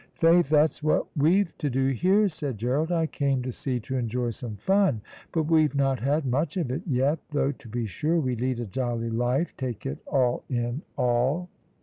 "Faith, that's what we've to do here," said Gerald. "I came to sea to enjoy some fun; but we've not had much of it yet, though, to be sure, we lead a jolly life, take it all in all."